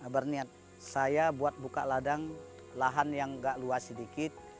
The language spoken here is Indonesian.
berniat saya buat buka ladang lahan yang gak luas sedikit